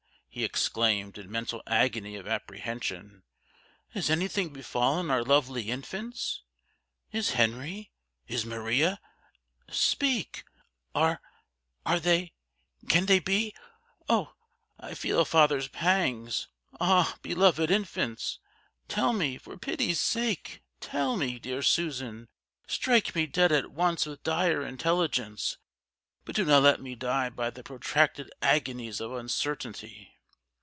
he exclaimed, in mental agony of apprehension, "has anything befallen our lovely infants? Is Henry is Maria speak are they can they be oh, I feel a father's pangs ah, beloved infants! Tell me, for pity's sake, tell me, dear Susan; strike me dead at once with dire intelligence, but do not let me die by the protracted agonies of uncertainty!"